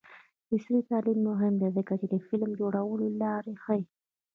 عصري تعلیم مهم دی ځکه چې د فلم جوړولو لارې ښيي.